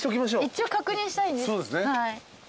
一応確認したいんです。